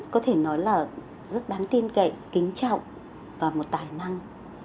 có thể nói là rất đáng tin cậy kính trọng và một tài năng